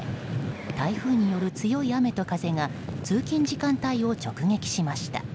台風による強い雨と風が通勤時間帯を直撃しました。